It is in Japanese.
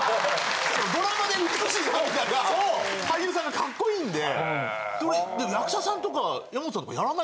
ドラマで美しい涙が俳優さんがカッコいいんで。